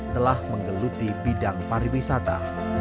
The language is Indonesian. telah menggeluti bidang pariwisata